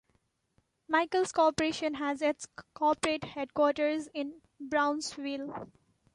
Michels Corporation has its corporate headquarters in Brownsville.